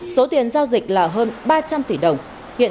số tiền giao dịch là hơn